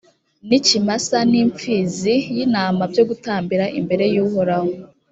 ni ikimasa n’ impfi zi y’ intama byo gutambira imbere y’uhoraho